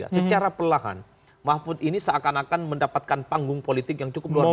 secara perlahan mahfud ini seakan akan mendapatkan panggung politik yang cukup luar biasa